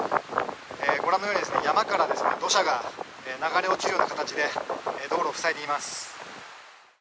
御覧のように、山から土砂が流れ落ちるような形で道路をふさいでいます。